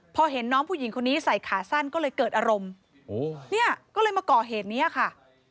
พอเห็นน้องผู้หญิงคนนี้ใส่ขาสั้นก็เลยเกิดอารมณ์เนี่ยก็เลยมาก่อเหตุเนี้ยค่ะ